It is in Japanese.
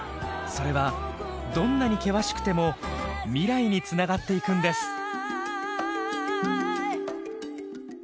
それはどんなに険しくても未来につながっていくんです。